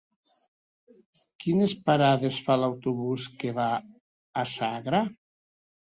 Quines parades fa l'autobús que va a Sagra?